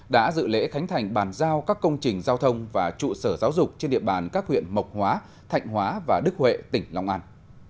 đã dự lễ khánh thành bàn giao các công trình giao thông và trụ sở giáo dục trên địa bàn các huyện mộc hóa thạnh hóa và đức huệ tỉnh long an